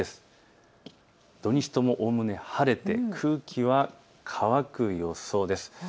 土日とも、おおむね晴れて空気は乾く予想です。